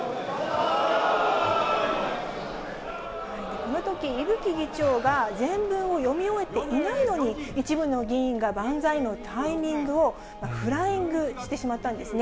このとき、伊吹議長が全文を読み終えていないのに、一部の議員が万歳のタイミングをフライングしてしまったんですね。